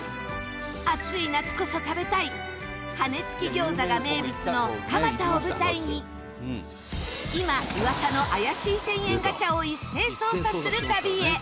暑い夏こそ食べたい羽根つき餃子が名物の蒲田を舞台に今噂の怪しい１０００円ガチャを一斉捜査する旅へ。